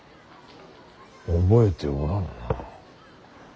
覚えておらんな。